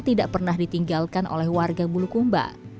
tidak pernah ditinggalkan oleh warga bulukumba